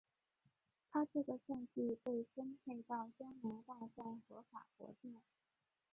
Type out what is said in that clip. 她这个赛季被分配到加拿大站和法国站。